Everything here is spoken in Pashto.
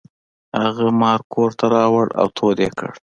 هغه مار کور ته راوړ او تود یې کړ.